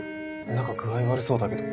何か具合悪そうだけど。